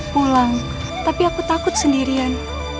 pulang tapi aku takut sendirian